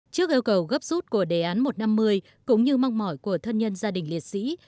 trước yêu cầu gấp rút của đề án một trăm năm mươi cũng như mong mỏi của thân nhân gia đình liệt sĩ